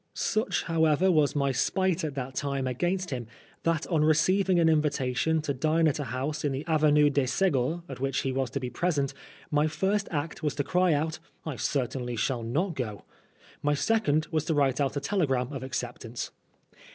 Such, however, was my spite at that time against him, that on receiving an invitation to dine at a house in the Avenue de Segur at which he was to be present, my first act was to cry out " I certainly shall not go." My second was to write out a telegram of acceptance.